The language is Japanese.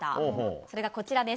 それがこちらです。